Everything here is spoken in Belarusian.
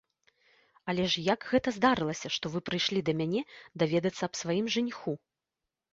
Але ж як гэта здарылася, што вы прыйшлі да мяне даведацца аб сваім жаніху?